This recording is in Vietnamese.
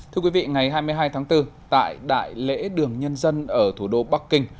thưa quý vị ngày hai mươi hai tháng bốn tại đại lễ đường nhân dân ở thủ đô bắc kinh